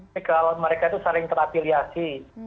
tapi kalau mereka itu saling terapiliasi